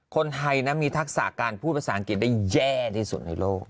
คนไทยนะมีทักษะการพูดภาษาอังกฤษได้แย่ที่สุดในโลก